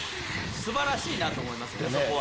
すばらしいなと思います、そこは。